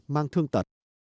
mang thương tật